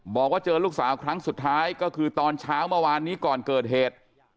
บอกว่าเจอลูกสาวครั้งสุดท้ายก็คือตอนเช้าเมื่อวานนี้ก่อนเกิดเหตุ